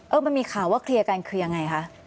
มันมีข่าวว่าเคลียร์กันคือยังไงคะ